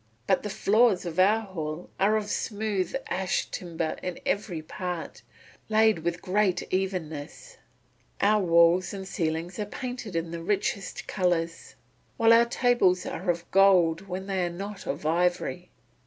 But the floors of our hall are of smooth ash timber in every part, laid with great evenness, our walls and ceiling are painted in the richest colours, while our tables are of gold when they are not of ivory.